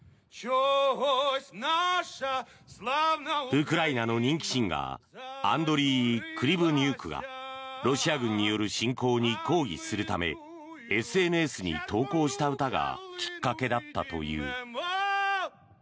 ウクライナの人気シンガーアンドリーイ・クリヴニュークがロシア軍による侵攻に抗議するためＳＮＳに投稿した歌がきっかけだったという。